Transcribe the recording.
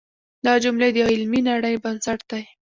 دا جملې د یوې علمي نړۍ بنسټ دی.